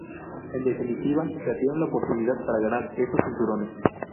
En definitiva perdieron la oportunidad para ganar estos cinturones.